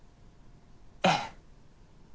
ええ。